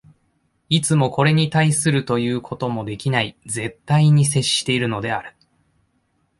いつもこれに対するということもできない絶対に接しているのである。